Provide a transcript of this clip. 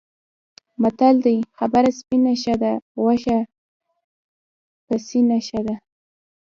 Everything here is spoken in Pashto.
متل دی: خبره سپینه ښه ده، غوښه پسینه ښه ده.